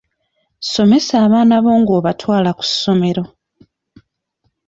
Somesa abaana bo ng'obatwala ku ssomero